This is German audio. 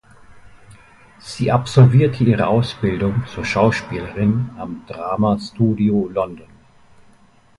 Sie absolvierte ihre Ausbildung zur Schauspielerin am Drama Studio London.